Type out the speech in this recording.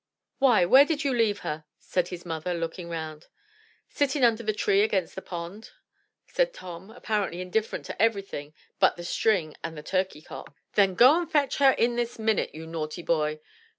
"Why, where did you leave her?" said his mother, looking round. "Sitting under the tree against the pond," said Tom, appar ently indifferent to everything but the string and the turkey cock. "Then go and fetch her in this minute, you naughty boy."